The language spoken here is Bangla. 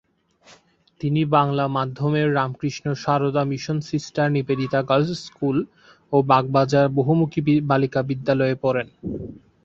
তিনি বাংলা মাধ্যমের Ramakrishna Sarada Mission Sister Nivedita Girls School ও বাগবাজার বহুমুখী বালিকা বিদ্যালয়ে পড়েন।